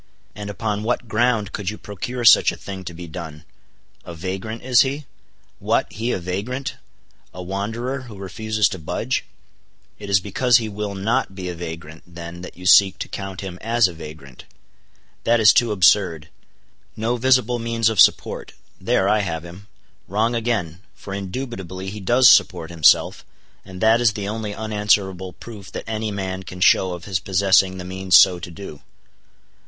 And upon what ground could you procure such a thing to be done?—a vagrant, is he? What! he a vagrant, a wanderer, who refuses to budge? It is because he will not be a vagrant, then, that you seek to count him as a vagrant. That is too absurd. No visible means of support: there I have him. Wrong again: for indubitably he does support himself, and that is the only unanswerable proof that any man can show of his possessing the means so to do.